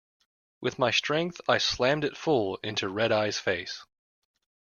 With my strength I slammed it full into Red-Eye's face.